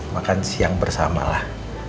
makan siang bersamalah